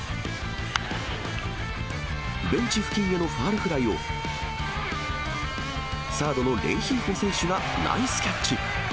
ベンチ付近へのファウルフライをサードのレンヒーフォ選手がナイスキャッチ。